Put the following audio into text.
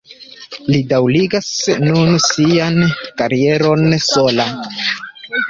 Li daŭrigas nun sian karieron sola.